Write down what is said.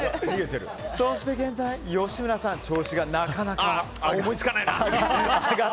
そして現在、吉村さん調子がなかなか思いつかないな。